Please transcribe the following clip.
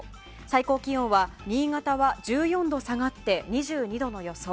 最高気温は新潟は１４度下がって２２度の予想。